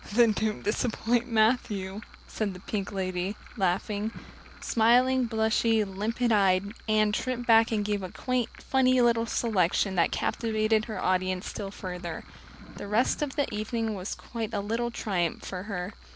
"Then don't disappoint Matthew," said the pink lady, laughing. Smiling, blushing, limpid eyed, Anne tripped back and gave a quaint, funny little selection that captivated her audience still further. The rest of the evening was quite a little triumph for her.